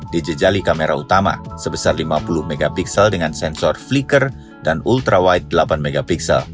dijajali kamera utama sebesar lima puluh mp dengan sensor flicker dan ultra wide delapan mp